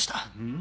ん？